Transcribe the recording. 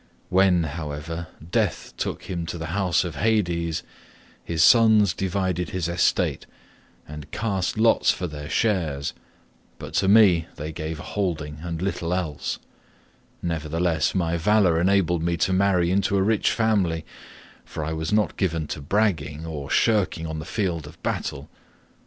When, however, death took him to the house of Hades, his sons divided his estate and cast lots for their shares, but to me they gave a holding and little else; nevertheless, my valour enabled me to marry into a rich family, for I was not given to bragging, or shirking on the field of battle.